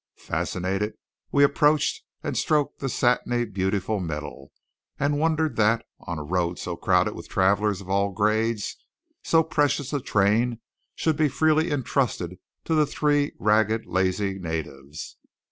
Fascinated, we approached and stroked the satiny beautiful metal; and wondered that, on a road so crowded with travellers of all grades, so precious a train should be freely entrusted to the three ragged lazy natives.